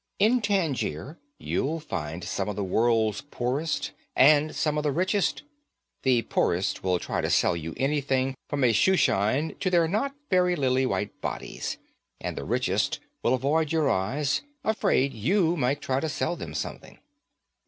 In Tangier you'll find some of the world's poorest and some of the richest. The poorest will try to sell you anything from a shoeshine to their not very lily white bodies, and the richest will avoid your eyes, afraid you might try to sell them something.